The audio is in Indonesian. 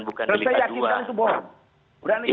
udah kita sampaikan gini